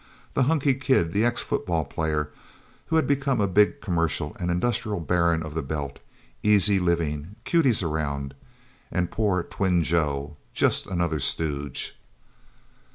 The hunkie kid, the ex football player who had become a big commercial and industrial baron of the Belt. Easy living. Cuties around. And poor twin Joe just another stooge...